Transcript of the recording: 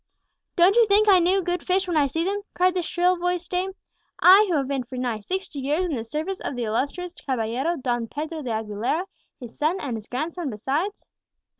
"Don't you think I know good fish when I see them?" cried the shrill voiced dame. "I who have been for nigh sixty years in the service of the illustrious caballero Don Pedro de Aguilera, his son, and his grandson besides!"